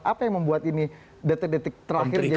apa yang membuat ini detik detik terakhir jadi seperti gontok